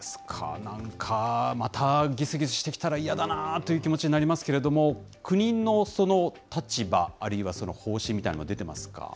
なんかまたぎすぎすしてきたら嫌だなという気持ちになりますけれども、国の立場、あるいは方針みたいなものは出ていますか？